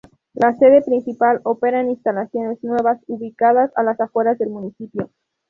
La sede principal opera en instalaciones nuevas, ubicadas a las afueras del municipio.